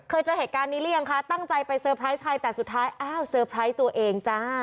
เคยเจอเหตุการณ์นี้หรือยังคะตั้งใจไปใครแต่สุดท้ายตัวเองจ้า